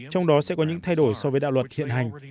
trong đó sẽ có những thay đổi so với đạo luật hiện hành